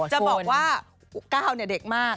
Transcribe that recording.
จะบอกว่าก้าวเนี่ยเด็กมาก